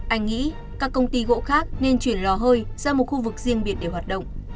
anh nghĩ các công ty gỗ khác nên chuyển lò hơi ra một khu vực riêng biệt để hoạt động